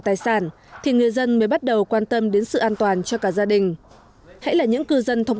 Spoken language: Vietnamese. tài sản thì người dân mới bắt đầu quan tâm đến sự an toàn cho cả gia đình hãy là những cư dân thông